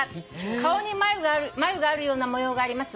「顔に眉があるような模様があります」